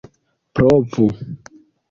provu